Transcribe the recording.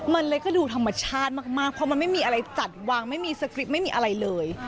มันก็ดูธรรมชาติมากความว่ามันไม่มีอะไรจัดวางไม่มียอมสกริปไม่มีอะไรเลย